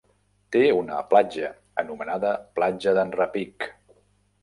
Té una platja anomenada platja d'en Repic.